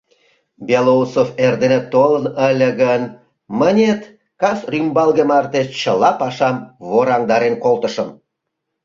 Белоусов эрдене толын ыле гын, мынет кас рӱмбалге марте чыла пашам ворандарен колтышым.